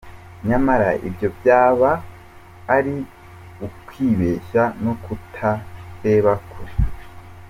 Nyamara ibyo byaba ai ukwibeshya no kutareba kure.